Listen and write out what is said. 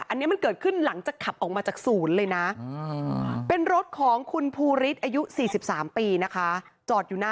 อันนี้มันเกิดขึ้นหลังจากขับออกมาจากศูนย์เลยนะ